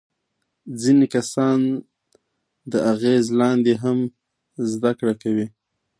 ځینې کسان د اغیز لاندې هم زده کړه کوي.